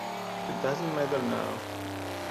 It doesn't matter now.